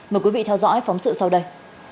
mời quý vị theo dõi phóng sự sau đây